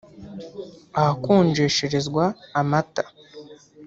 ahakonjesherezwa amata